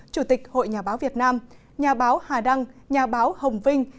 chủ tịch hội nhà báo việt nam nhà báo hà đăng nhà báo hồng vinh